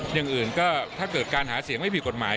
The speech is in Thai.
อย่างอื่นก็ถ้าเกิดการหาเสียงไม่ผิดกฎหมาย